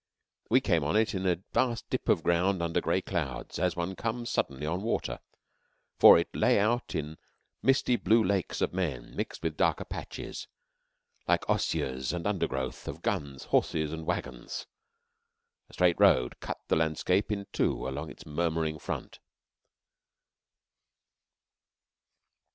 We came on it in a vast dip of ground under grey clouds, as one comes suddenly on water; for it lay out in misty blue lakes of men mixed with darker patches, like osiers and undergrowth, of guns, horses, and wagons. A straight road cut the landscape in two along its murmuring front.